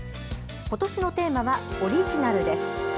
ことしのテーマはオリジナるです。